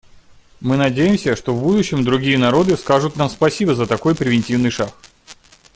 Мы надеемся, что в будущем другие народы скажут нам спасибо за такой превентивный шаг.